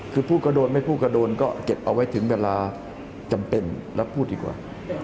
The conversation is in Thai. คือพูดก็โดนไม่พูดก็โดนก็เก็บเอาไว้ถึงเวลาจำเป็นแล้วพูดดีกว่า